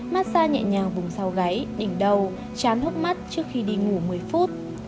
massage nhẹ nhàng vùng sau gáy đỉnh đầu chán hước mắt trước khi đi ngủ một mươi phút